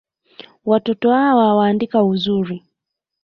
Watoto awa waandika uzuri